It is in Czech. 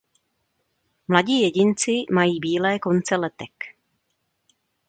Mladí jedinci mají bílé konce letek.